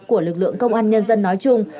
của lực lượng công an nhân dân nói chung